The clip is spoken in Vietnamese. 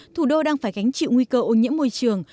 thủ đô đang phải gánh chịu nguy cơ ô nhiễm môi trường